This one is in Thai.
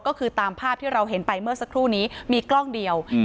ก็คือตามภาพที่เราเห็นไปเมื่อสักครู่นี้มีกล้องเดียวอืม